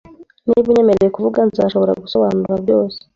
Niba unyemereye kuvuga, nzashobora gusobanura byose .